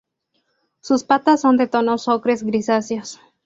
Sus patas son de tonos ocres grisáceos.